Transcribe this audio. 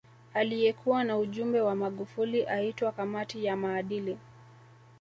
Aliyekuwa na ujumbe wa Magufuli aitwa kamati ya maadili